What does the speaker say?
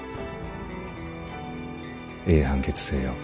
「ええ判決せえよ」